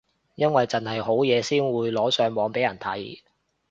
因為剩係好嘢先會擺上網俾人睇